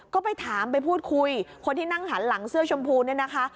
ก็ไปถามไปพูดคุยคนที่นั่งหันหลังเสื้อชมพูเนี่ยนะคะ